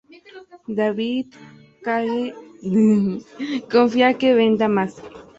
David Cage confía que venda más.